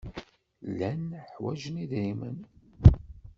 Llan ḥwajen idrimen.